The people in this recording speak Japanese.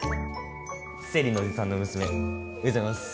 生理のおじさんの娘おはようございます。